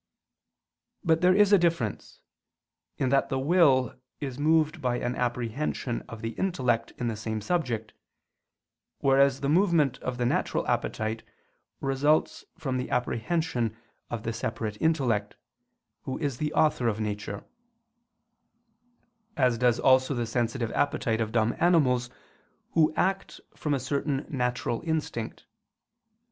But there is a difference, in that the will is moved by an apprehension of the intellect in the same subject; whereas the movement of the natural appetite results from the apprehension of the separate Intellect, Who is the Author of nature; as does also the sensitive appetite of dumb animals, who act from a certain natural instinct.